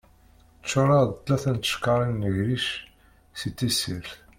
Ččureɣ-d tkata n tcekkaṛin n legric si tessirt.